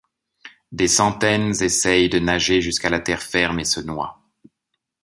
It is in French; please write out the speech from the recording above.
Des centaines essayent de nager jusqu'à la terre ferme et se noient.